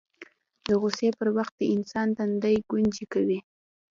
د غوسې پر وخت د انسان تندی ګونځې کوي